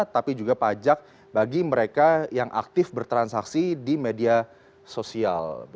tapi juga pajak bagi mereka yang aktif bertransaksi di media sosial